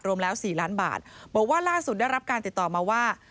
รวมแล้ว๔ล้านบาทบอกว่าล่าสุดได้รับการติดต่อมาว่า